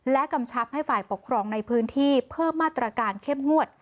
และกำชับให้ฝ่ายปกครองในพื้นที่เพิ่มมาตรการเข้มงวด